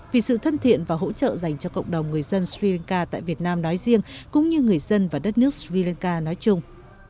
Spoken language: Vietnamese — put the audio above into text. vì sự thân thiện và hỗ trợ dành cho cộng đồng người dân sri lanka tại việt nam nói riêng cũng như người dân và đất nước sri lanka nói chung